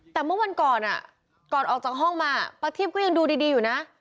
แต่เมื่อวันก่อนก่อนออกจากห้องมาประทีพก็ยังดูดีอยู่นะ